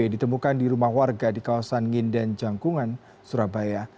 ditemukan di rumah warga di kawasan nginden jangkungan surabaya